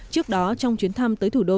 trước đó trong chuyến thăm tới thủ đô